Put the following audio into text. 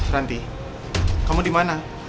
ranti kamu dimana